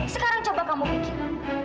sekarang coba kamu pikir